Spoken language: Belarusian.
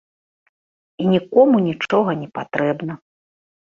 І нікому нічога не патрэбна.